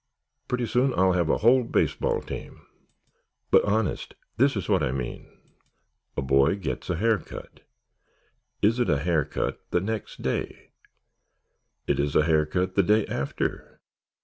"Pretty soon I'll have a whole baseball team. But honest, this is what I mean. A boy gets a hair cut. Is it a hair cut the next day? It is a hair cut the day after?